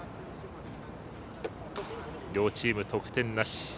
両チーム得点なし。